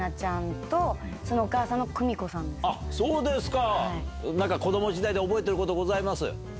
そうですか！